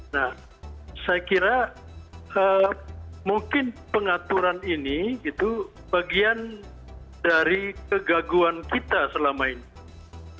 nah saya kira mungkin pengaturan ini itu bagian dari kegaguan kita selama ini